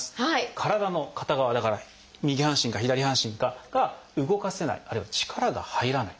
「体の片側」だから右半身か左半身かが「動かせない」あるいは「力が入らない」。